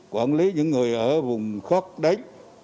quản lý những người ở vùng khóc đánh